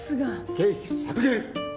経費削減。